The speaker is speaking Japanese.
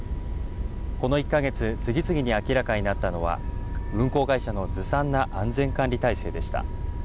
この１か月、次々に明らかになったのは運航会社のずさんな安全管理体制でした。